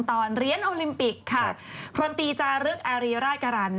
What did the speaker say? ตอนเรียนโอลิมปิกพรณตีจารึกอาริราชกรรรม